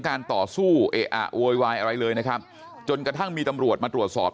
ต่อสู้เอะอะโวยวายอะไรเลยนะครับจนกระทั่งมีตำรวจมาตรวจสอบ